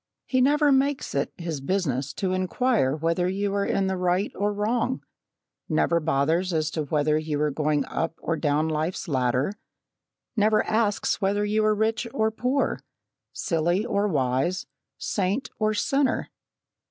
"He never makes it his business to inquire whether you are in the right or wrong never bothers as to whether you are going up or down life's ladder never asks whether you are rich or poor, silly or wise, saint or sinner.